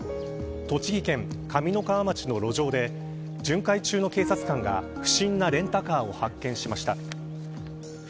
栃木県上三川町の路上で巡回中の警察官が不審なレンタカーを発見しました。